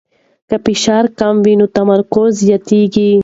که فشار کم وي نو تمرکز زیاتېږي.